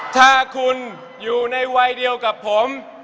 ถ้าคุณอยู่ในวัยเดียวกับผม